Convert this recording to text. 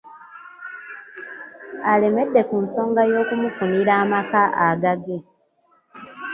Alemedde ku nsonga y'okumufunira amaka agage.